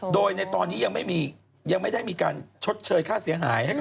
โดยในตอนนี้ยังไม่ได้มีการชดเชยค่าเสียหายให้กับ